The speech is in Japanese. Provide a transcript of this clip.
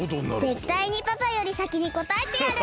ぜったいにパパよりさきにこたえてやる！